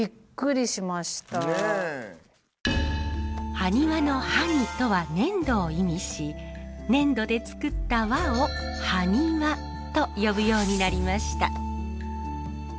ハニワの「埴」とは粘土を意味し粘土で作った輪を埴輪と呼ぶようになりました。